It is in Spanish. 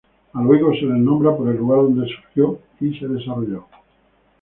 A los higos se los nombra por el lugar donde surgió y se desarrolló.